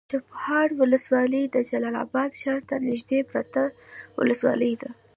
چپرهار ولسوالي د جلال اباد ښار ته نږدې پرته ولسوالي ده.